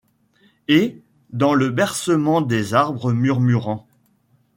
Et, dans le bercement des. arbres murmurants